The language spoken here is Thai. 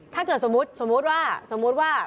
ถ้าเกิดสมมุติสมมุติว่า